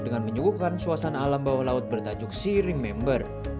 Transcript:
dengan menyuguhkan suasana alam bawah laut bertajuk sea remember